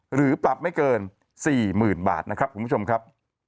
หรือปรับไม่เกิน๔๐๐๐บาทนะครับคุณผู้ชมครับ